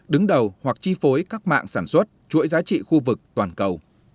đứng đầu hoặc chi phối các mạng sản xuất chuỗi giá trị khu vực toàn cầu